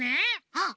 あっ！